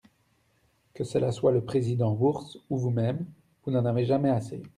Que cela soit le président Woerth ou vous-même, vous n’en avez jamais assez.